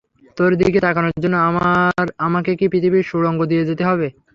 তোর দিকে তাকানোর জন্য আমাকে কি পৃথিবীর সুড়ঙ্গ দিয়ে যেতে হবে?